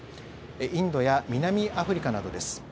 インドや南アフリカなどです。